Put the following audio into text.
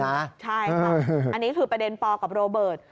ใช่ค่ะอันนี้คือประเด็นปอกับโรเบิร์ต